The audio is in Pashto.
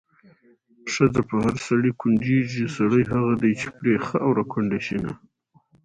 ښځه په هر سړي کونډېږي، سړی هغه دی چې پرې خاوره کونډه شېنه